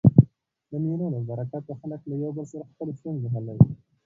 د مېلو له برکته خلک له یو بل سره خپلي ستونزي حلوي.